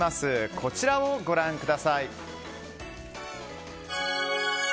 こちらをご覧ください。